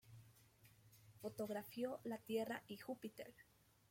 Fotografió la Tierra y Júpiter.